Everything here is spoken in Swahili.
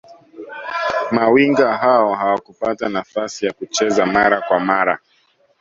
mawinga hao hawakupata nafasi ya kucheza mara kwa mara